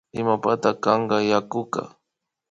Imapata kanka yakuka